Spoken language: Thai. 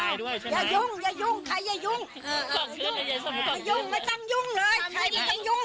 อย่ายุ่งไม่ต้องยุ่งเลยใครไม่ต้องยุ่ง